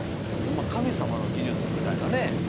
でもホンマ神様の技術みたいなねえ？